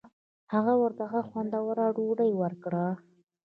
هغه ورته ښه خوندوره ډوډۍ ورکړه.